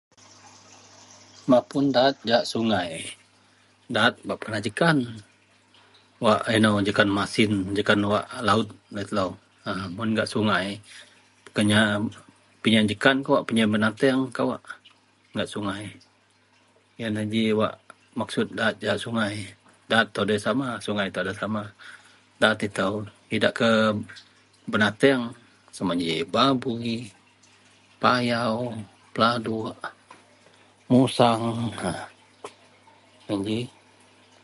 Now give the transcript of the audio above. Mapun daat jahak sungai. Daat bak pekena jekan wak ino jekan masin jekan wak lawut laei telo. Mun gak sungai kena pinyeng jekan kawak pinyeng benateng. Kawak gak sungai iyen ji wak maksud daat jegem sungai. Daat ito nda sama. Sungai ito nda sama. Daat ito idak ke benateng sama ji babui payau pelandok musang a iyen ji.